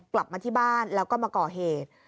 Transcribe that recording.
กลับมาที่บ้านแล้วก็มาก่อเหตุ